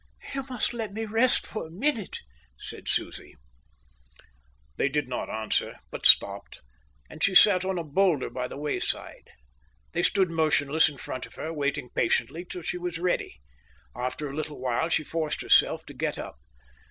"You must let me rest for a minute," said Susie. They did not answer, but stopped, and she sat on a boulder by the wayside. They stood motionless in front of her, waiting patiently till she was ready. After a little while she forced herself to get up.